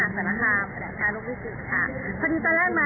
สวัสดีครับ